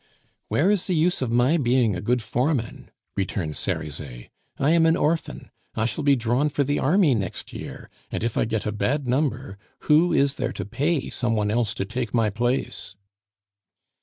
"Where is the use of my being a good foreman?" returned Cerizet. "I am an orphan, I shall be drawn for the army next year, and if I get a bad number who is there to pay some one else to take my place?"